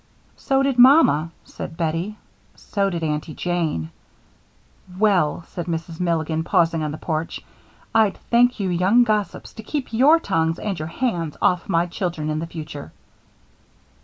"So did Mamma," said Bettie. "So did Aunty Jane." "Well," said Mrs. Milligan, pausing on the porch, "I'd thank you young gossips to keep your tongues and your hands off my children in the future."